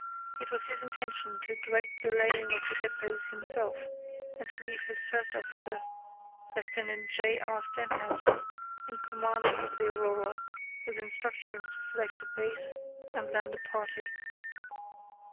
It was his intention to direct the laying of the depots himself and to leave his first officer, Lieut. J. R. Stenhouse, in command of the Aurora, with instructions to select a base and land a party.